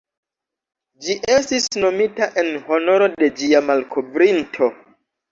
Ĝi estis nomita en honoro de ĝia malkovrinto.